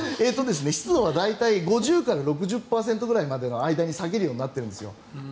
湿度は大体５０から６０％くらいの間まで下げるようになってるんですよ。